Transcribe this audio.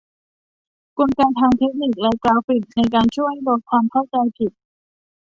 กลไกทางเทคนิคและกราฟิกในการช่วยลดความเข้าใจผิด